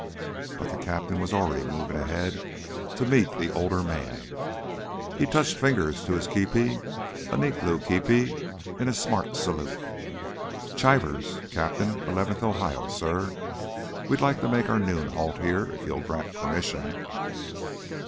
But the captain was already moving ahead to meet the older man. He touched fingers to kepi a neat blue kepi in a smart salute. "Chivers, Captain, Eleventh Ohio, sir. We'd like to make our noon halt here if you'll grant permission."